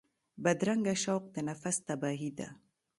بدرنګه شوق د نفس تباهي ده